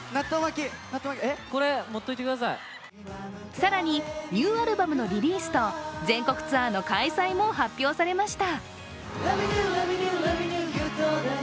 更に、ニューアルバムのリリースと全国ツアーの開催も発表されました。